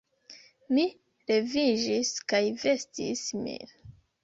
Mi leviĝis kaj vestis min.